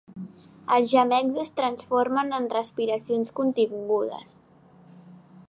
Els gemecs es transformen en respiracions contingudes.